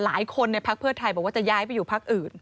หลายคนในพักเพื่อไทยบอกว่าจะย้ายไปอยู่พักอื่น